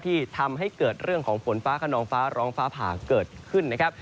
ที่ทำให้เกิดเรื่องของฝนฟ้าขนองฟ้าร้องฟ้าผ่าเกิดขึ้นนะครับ